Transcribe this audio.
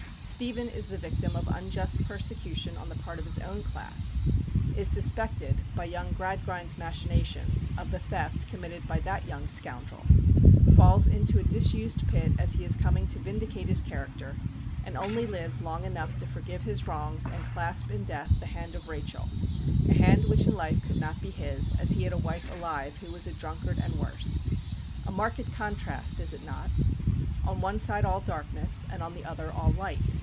Stephen is the victim of unjust persecution on the part of his own class, is suspected, by young Gradgrind's machinations, of the theft committed by that young scoundrel, falls into a disused pit as he is coming to vindicate his character, and only lives long enough to forgive his wrongs, and clasp in death the hand of Rachel a hand which in life could not be his, as he had a wife alive who was a drunkard and worse. A marked contrast, is it not? On one side all darkness, and on the other all light.